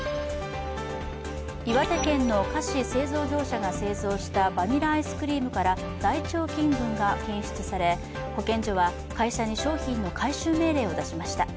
岩手県の菓子製造業者が製造したバニラアイスクリームから大腸菌群が検出され保健所は会社に商品の回収命令を出しました。